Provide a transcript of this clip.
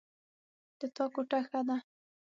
د تا کوټه ښه ده